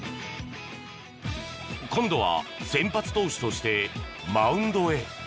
今度は先発投手としてマウンドへ。